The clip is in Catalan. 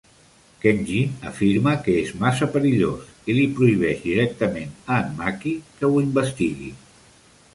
Kenji afirma que és massa perillós, i li prohibeix directament a en Maki que ho investigui.